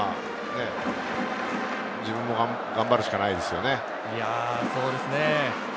自分も頑張るしかないですよね。